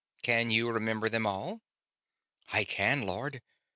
Can you remember them all?" "I can, Lord.